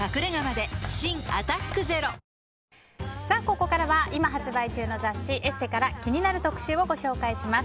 ここからは今発売中の雑誌「ＥＳＳＥ」から気になる特集をご紹介します。